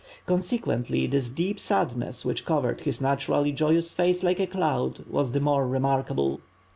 Consequently, this deep sadness which covered his naturally joyous face like a cloud, was the more remarkable.